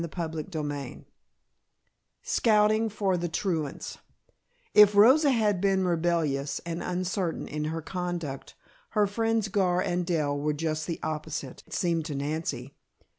CHAPTER XVII SCOUTING FOR THE TRUANTS If Rosa had been rebellious and uncertain in her conduct, her friends Gar and Dell were just the opposite, it seemed to Nancy.